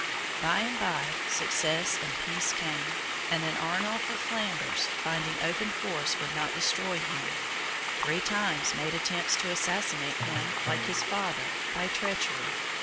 By and by, success and peace came; and then Arnulf of Flanders, finding open force would not destroy him, three times made attempts to assassinate him, like his father, by treachery.